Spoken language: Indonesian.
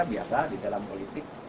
biasa di dalam politik